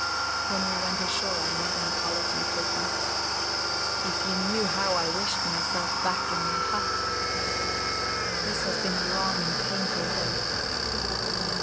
When we went ashore I made an apology to Edwarda. "If you knew how I wished myself back in my hut!" I said. "This has been a long and painful day."